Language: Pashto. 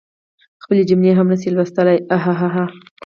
خپلي جملی هم نشي لوستلی هههه